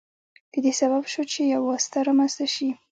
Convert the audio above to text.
د دې سبب شو چې یو واسطه رامنځته شي.